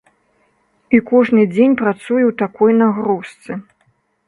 І кожны дзень працуе ў такой нагрузцы.